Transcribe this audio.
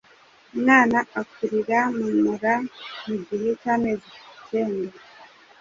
Umwana akurira mu mura mu gihe cy’amezi ikenda.